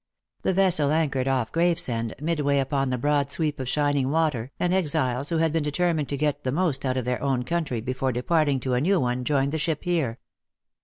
The vessel anchored off Gravesend, midway upon the broad sweep of shining water, and exiles who had been determined to get the most out of their own country before departing to a new one joined the ship here.